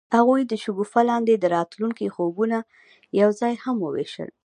هغوی د شګوفه لاندې د راتلونکي خوبونه یوځای هم وویشل.